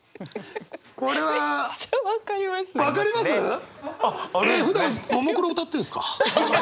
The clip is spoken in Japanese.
えっふだんももクロ歌ってんですか？